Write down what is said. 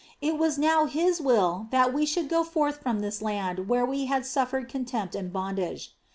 It was now His will that we should go forth from this land where we had suffered contempt and bondage.